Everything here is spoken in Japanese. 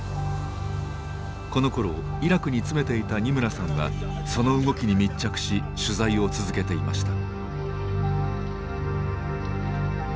このころイラクに詰めていた二村さんはその動きに密着し取材を続けていました。